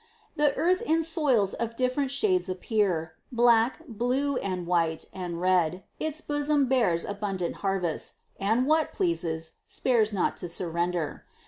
The Earth in soils of different shades appears, Black, blue and white, and red; its bosom bears Abundant harvests; and, what pleases, spares Not to surrender.